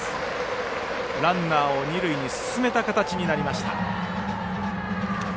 ランナーを二塁に進めた形になりました。